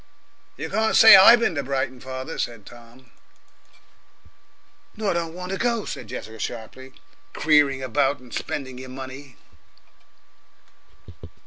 "You can't say I bin to Brighton, father," said Tom. "Nor don't want to go," said Jessica sharply; "creering about and spendin' your money."